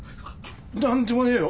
なんでもねえよ。